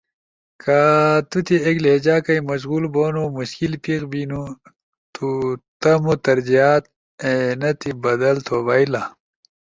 کہ تو تی ایک لہجہ کئی مشغول بونو مشکل پیخ بینو تو تمو ترجیحات این تی بدل تھو بئیلا۔